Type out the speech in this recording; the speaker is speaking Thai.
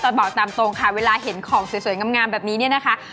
บอกตามตรงค่ะเวลาเห็นของสวยงามแบบนี้เนี่ยนะคะ